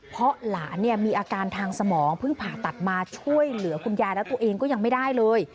เพราะหลานเนี่ยมีอาการทางสมองเพิ่งผ่าตัดมาช่วยเหลือคุณยายแล้วตัวเองก็ยังไม่ได้เลย